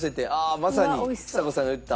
まさにちさ子さんが言った。